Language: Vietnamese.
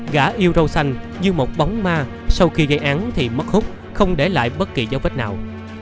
gã yêu rau xanh như một bóng ma sau khi gây án thì mất hút không để lại bất kỳ dấu vết nào